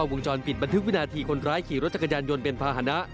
วงจรปิดบันทึกวินาทีคนร้ายขี่รถจักรยานยนต์เป็นภาษณะ